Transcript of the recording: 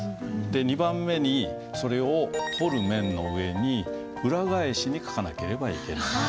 で２番目にそれを彫る面の上に裏返しに書かなければいけない。